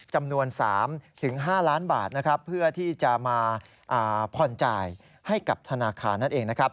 จำนวน๓๕ล้านบาทนะครับเพื่อที่จะมาผ่อนจ่ายให้กับธนาคารนั่นเองนะครับ